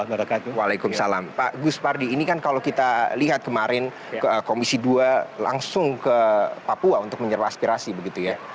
waalaikumsalam pak gus pardi ini kan kalau kita lihat kemarin komisi dua langsung ke papua untuk menyerupa aspirasi begitu ya